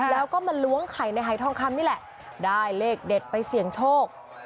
แล้วก็มาล้วงไข่ในหายทองคำนี่แหละได้เลขเด็ดไปเสี่ยงโชค